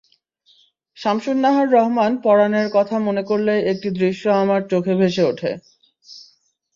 শামসুন্নাহার রহমান পরাণের কথা মনে করলেই একটি দৃশ্য আমার চোখে ভেসে ওঠে।